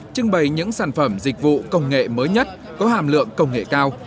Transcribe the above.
trưng bày những sản phẩm dịch vụ công nghệ mới nhất có hàm lượng công nghệ cao